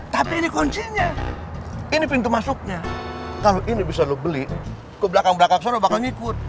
tapi ini kuncinya ini pintu masuknya kalau ini bisa lo beli ke belakang belakang sana bakal ngikut